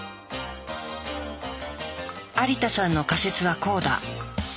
有田さんの仮説はこうだ。